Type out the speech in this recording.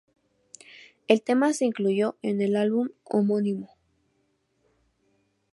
El tema se incluyó en el álbum homónimo.